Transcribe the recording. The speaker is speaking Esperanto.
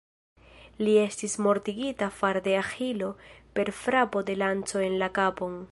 Li estis mortigita far de Aĥilo per frapo de lanco en la kapon.